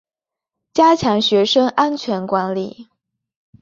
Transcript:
加强学生安全管理